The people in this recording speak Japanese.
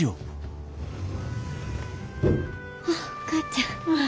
あっお母ちゃん。